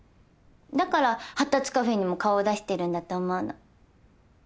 だから発達カフェにも顔を出してるんだと思うの。